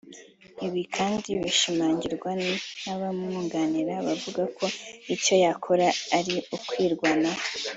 Ibi kandi bishimangirwa n'abamwunganira bavuga ko icyo yakoze ari ukwirwanaho